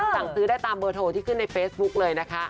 สั่งซื้อได้ตามเบอร์โทรที่ขึ้นในเฟซบุ๊กเลยนะคะ